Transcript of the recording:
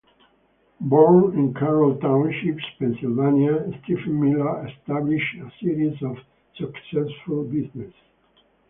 Born in Carroll Township, Pennsylvania, Stephen Miller established a series of successful businesses.